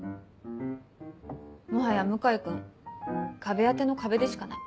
もはや向井君壁当ての壁でしかない。